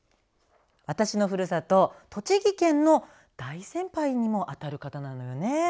私のふるさと栃木県の大先輩にもあたる方なのよね。